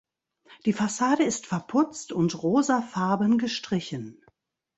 Die Fassade ist verputzt und rosafarben gestrichen.